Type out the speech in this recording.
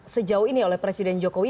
sejauh ini oleh presiden jokowi